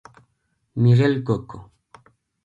Miguel Cocco".